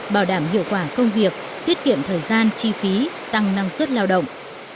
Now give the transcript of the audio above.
bảo đảm hiệu quả công việc tiết kiệm thời gian chi phí tăng năng suất lao động